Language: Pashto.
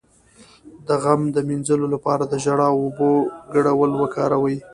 د غم د مینځلو لپاره د ژړا او اوبو ګډول وکاروئ